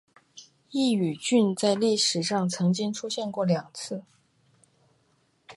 刈羽郡在历史上曾经出现过两次。